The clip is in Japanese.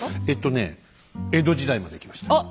えっとね江戸時代までいきました。